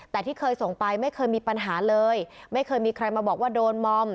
แต่ที่เคยส่งไปไม่เคยมีปัญหาเลยไม่เคยมีใครมาบอกว่าโดนมอม